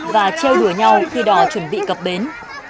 và treo đùa nhau khi đỏ chuẩn bị cập bến